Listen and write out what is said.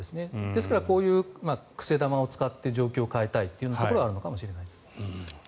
ですからこういう癖球を使って状況を変えたいというところはあるのかもしれないです。